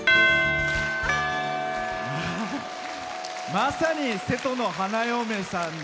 まさに、瀬戸の花嫁さんで。